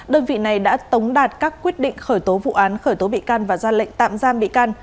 đơn vị này đã tống đạt các quyết định khởi tố vụ án khởi tố bị can và ra lệnh tạm giam bị can